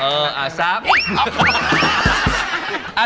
เอออ่ะสาม